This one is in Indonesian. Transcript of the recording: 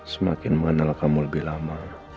semakin mengenal kamu lebih lama